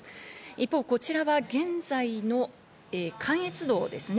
一方こちらは現在の関越道ですね。